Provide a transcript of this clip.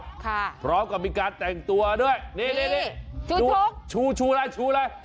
ค่ะพร้อมกับมีการแต่งตัวด้วยนี่ชูชุกชูอะไร